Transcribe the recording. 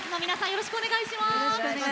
よろしくお願いします。